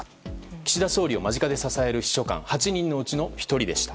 岸田総理を間近で支える秘書官８人のうちの１人でした。